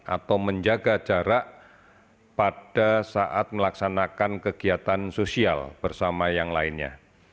atau menjaga jarak pada saat melaksanakan kegiatan sosial bersama yang lainnya